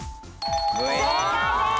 正解です！